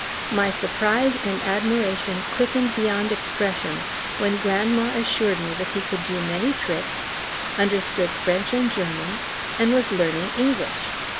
My surprise and admiration quickened beyond expression when grandma assured me that he could do many tricks, understood French and German, and was learning English.